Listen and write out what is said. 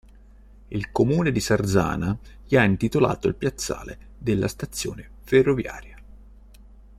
Il comune di Sarzana gli ha intitolato il piazzale della stazione ferroviaria.